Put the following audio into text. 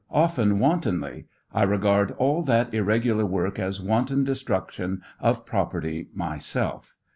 Often wantonly; I regard all that irregular work as wanton destruction of property, myself.